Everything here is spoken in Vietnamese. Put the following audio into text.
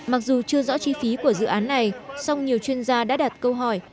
mặc dù chưa rõ chi phí của dự án này song nhiều chuyên gia đã đặt câu hỏi